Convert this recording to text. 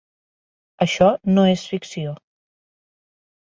Això no és ficció.